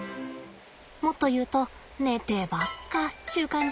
もっと言うと寝てばっかっちゅう感じ？